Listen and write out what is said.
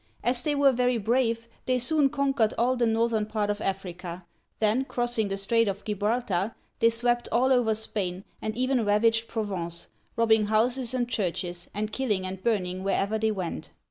As they were very brave, they soon conquered all the northern part of Africa ; then, crossing the Strait of Gibral tar, they swept all over Spain, and even ravaged Provence, robbing houses and churches, and killing and burning wherever they went.